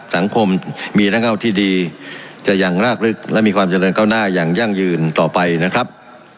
สังคมมีระเง่าที่ดีจะยังรากลึกและมีความเจริญก้าวหน้าอย่างยั่งยืนต่อไปนะครับ